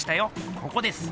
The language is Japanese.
ここです。